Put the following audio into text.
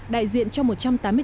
đại diện của quốc tế